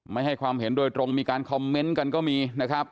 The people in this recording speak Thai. ไม่ให้ความเห็นโดยตรงมีการคอมเมนต์กันก็มีนะครับ